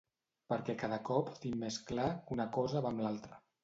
Perquè cada cop tinc més clar que una cosa va amb l'altra.